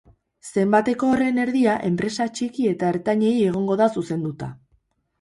Zenbateko horren erdia enpresa txiki eta ertainei egongo da zuzenduta.